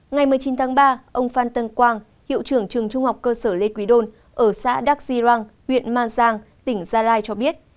ngày một mươi chín tháng ba ông phan tân quang hiệu trưởng trường trung học cơ sở lê quý đôn ở xã đắc di răng huyện mang giang tỉnh gia lai cho biết